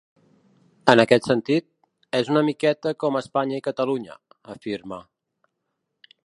En aquest sentit, ‘és una miqueta com Espanya i Catalunya’, afirma.